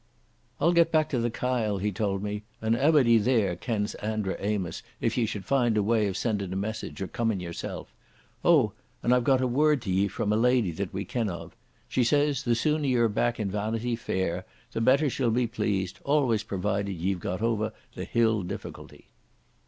"I'll get back to the Kyle," he told me, "and a'body there kens Andra Amos, if ye should find a way of sendin' a message or comin' yourself. Oh, and I've got a word to ye from a lady that we ken of. She says, the sooner ye're back in Vawnity Fair the better she'll be pleased, always provided ye've got over the Hill Difficulty."